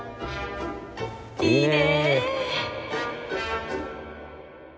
いいね！